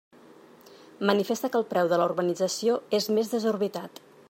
Manifesta que el preu de la urbanització és més que desorbitat.